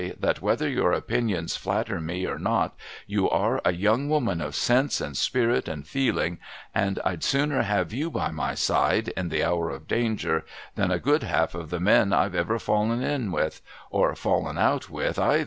That whether your opinions flatter me or not, you are a young woman of sense, and spirit, and feeling ; and I'd sooner have you by my side, in the hour of danger, than a good half of the men I've ever fallen in with — or fallen out with, ayther.'